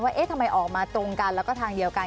เอ๊ะทำไมออกมาตรงกันแล้วก็ทางเดียวกัน